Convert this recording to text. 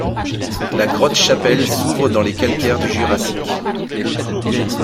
La grotte-chapelle s'ouvre dans les calcaires du Jurassique.